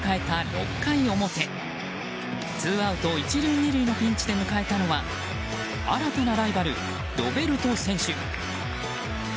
６回表ツーアウト１塁２塁のピンチで迎えたのは新たなライバル、ロベルト選手。